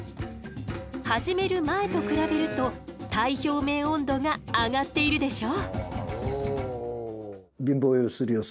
始める前と比べると体表面温度が上がっているでしょ？